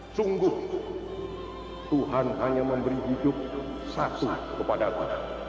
sungguh tuhan hanya memberi hidup satu kepada aku